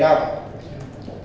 làm gì sao